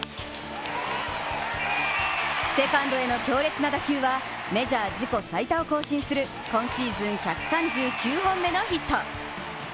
セカンドへの強烈な打球はメジャー自己最多を更新する今シーズン１３９本目のヒット。